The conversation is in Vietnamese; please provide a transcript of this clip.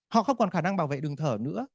họ không còn khả năng bảo vệ đường thở nữa